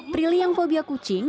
prilly yang fobia kucing